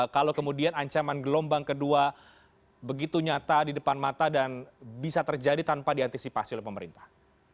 kalau kemudian ancaman gelombang kedua begitu nyata di depan mata dan bisa terjadi tanpa diantisipasi oleh pemerintah